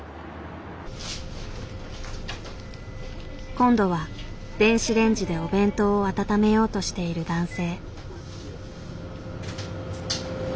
今度は電子レンジでお弁当を温めようとしている男性。